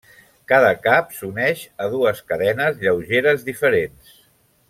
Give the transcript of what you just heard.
Cada cap s'uneix a dues cadenes lleugeres diferents.